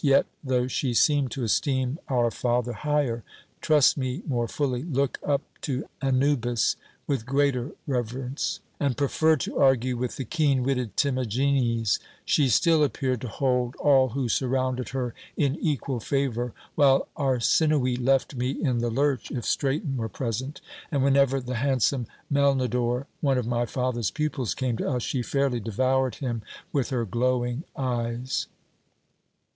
Yet, though she seemed to esteem our father higher, trust me more fully, look up to Anubis with greater reverence, and prefer to argue with the keen witted Timagenes, she still appeared to hold all who surrounded her in equal favour, while Arsinoë left me in the lurch if Straton were present, and whenever the handsome Melnodor, one of my father's pupils, came to us, she fairly devoured him with her glowing eyes.